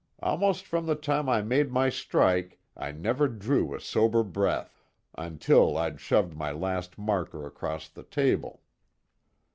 Almost from the time I made my strike I never drew a sober breath, until I'd shoved my last marker across the table.